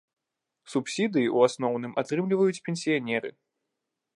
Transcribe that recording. Субсідыі ў асноўным атрымліваюць пенсіянеры.